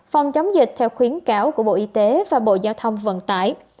phòng chống dịch theo khuyến cáo của bộ y tế và bộ giao thông vận tải